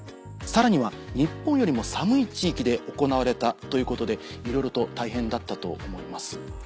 さらには日本よりも寒い地域で行われたということでいろいろと大変だったと思います。